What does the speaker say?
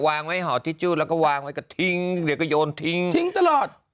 วางไว้ห่อทิจู้ดแล้วก็วางไว้ก็ทิ้งเดี๋ยวก็โยนทิ้งทิ้งตลอด